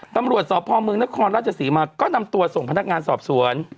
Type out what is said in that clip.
ตำรวจสพเมืองนครราชศรีมาก็นำตัวส่งพนักงานสอบสวน